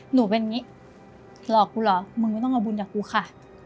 หนูเป็นอย่างนี้หลอกกูเหรอมึงไม่ต้องเอาบุญจากกูค่ะ